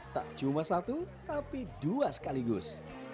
tak cuma satu tapi dua sekaligus